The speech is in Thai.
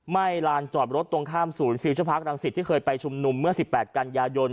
ลานจอดรถตรงข้ามศูนย์ฟิลเจอร์พาร์ครังสิตที่เคยไปชุมนุมเมื่อ๑๘กันยายน